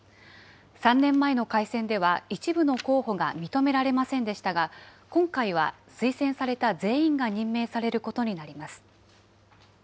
３年前の改選では、一部の候補が認められませんでしたが、今回は推薦された全員が任命されることになります。